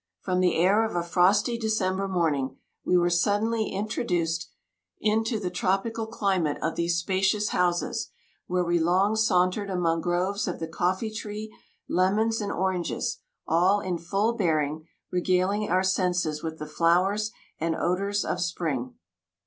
From the air of a frosty December morning, we were suddenly introduced into the tropical climate of these spacious houses, where we long sauntered among groves of the coffee tree, lemons and oranges, all in full bearing, regaling our senses with the flowers and odours of spring.